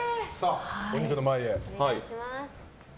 お肉の前へ。